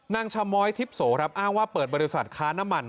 นางชะม้อยทิพย์โสครับอ้างว่าเปิดบริษัทค้าน้ำมัน